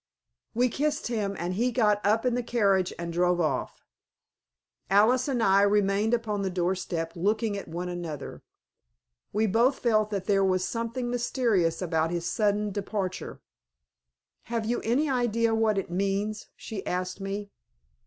We kissed him, and he got up in the carriage and drove off. Alice and I remained upon the doorstep looking at one another. We both felt that there was something mysterious about his sudden departure. "Have you any idea what it means?" she asked me.